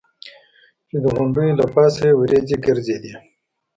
چې د غونډیو له پاسه یې ورېځې ګرځېدې.